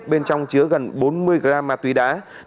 bên trong chứa gần bốn mươi gram ma túy đá